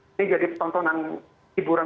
ya jadi cuman ini jadi tontonan hiburan